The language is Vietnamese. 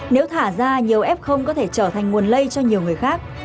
nếu thả ra nhiều f có thể trở thành nguồn lây cho nhiều người khác